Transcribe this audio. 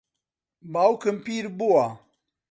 باوکم پیر بووە.